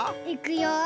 いくよ。